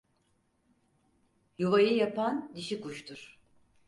Yuvayı yapan dişi kuştur.